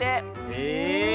へえ。